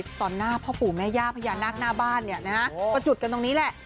ตอนหน้าพ่อปู่แม่ย่าพญานาคหน้าบ้านเนี่ยนะฮะก็จุดกันตรงนี้แหละ